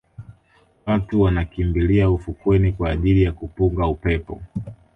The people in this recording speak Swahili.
Watu wanakimbilia ufukweni kwa ajili ya kupunga upepo